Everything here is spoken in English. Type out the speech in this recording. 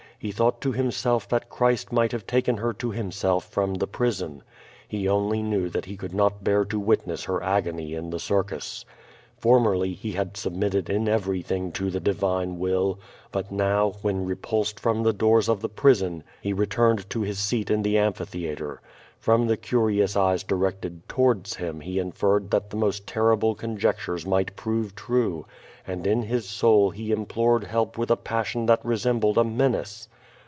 He thought to himself that Christ might have taken her to Him self from the prison. He only knew that lie could not bear to witness her agony in the circus. Formerly he had sub mitted in everything to the Divine Will, but now, when re pulsed from the doors of the prison, he returned to his seat 474 0170 VADtS. in the amphitheatre. From the curious eyes directed towards him he inferred that the most terrible conjectures might prove true, and in his soul he implored help with a passion that resembled a menace.